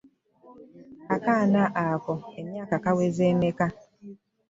Akaana ko emyaka kaweza emeka.